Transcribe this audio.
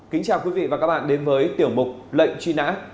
kính chào quý vị và các bạn đến với tiểu mục lệnh truy nã